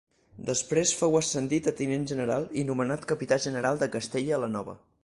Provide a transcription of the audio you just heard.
Després fou ascendit a tinent general i nomenat Capità General de Castella la Nova.